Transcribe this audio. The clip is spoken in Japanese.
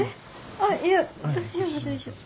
あっいや大丈夫大丈夫。